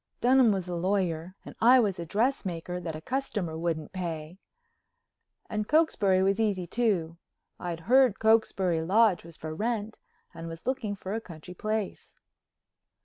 Dunham was a lawyer and I was a dressmaker that a customer wouldn't pay. And Cokesbury was easy, too—I'd heard Cokesbury Lodge was for rent and was looking for a country place.